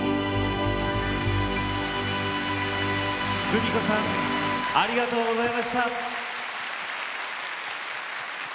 クミコさんありがとうございました。